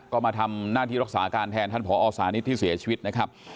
ก็มาทำหน้าที่รักษาการแทนท่านผอสานิทที่เสียชีวิตนะครับ